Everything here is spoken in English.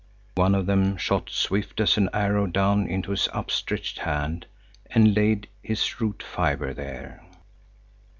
One of them shot swift as an arrow down into his upstretched hand and laid his root fibre there.